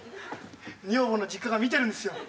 女房の実家が見てるんですよ。